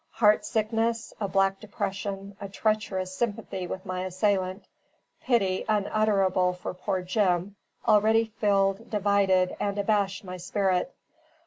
Heart sickness, a black depression, a treacherous sympathy with my assailant, pity unutterable for poor Jim, already filled, divided, and abashed my spirit.